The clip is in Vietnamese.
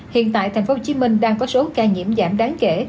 hiện tại tp hcm đang có số ca nhiễm giảm đáng kể